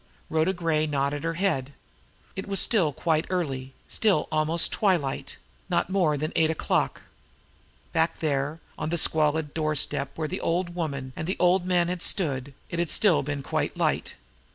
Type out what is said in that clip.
Rhoda Gray nodded her head. It was still quite early, still almost twilight not more than eight o'clock. Back there, on that squalid doorstep where the old woman and the old man had stood, it had still been quite light.